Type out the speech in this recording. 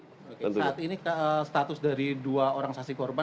saat ini status dari dua orang saksi korban